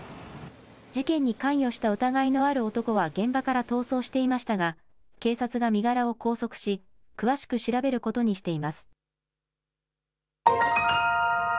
事件に関与した疑いのある男は現場から逃走していましたが警察が身柄を拘束し詳しく調べることにしています。